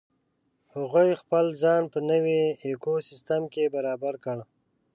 هغوی خپل ځان په نوې ایکوسیستم کې برابر کړ.